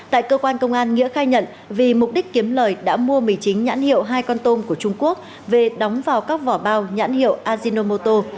tại cơ quan công an nghĩa khai nhận vì mục đích kiếm lời đã mua mì chính nhãn hiệu hai con tôm của trung quốc về đóng vào các vỏ bao nhãn hiệu ajinomoto